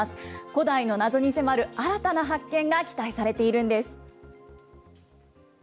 古代の謎に迫る新たな発見が期待されているんです。